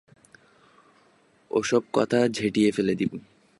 ও-সব কথা ঝেঁটিয়ে ফেলে দিবি।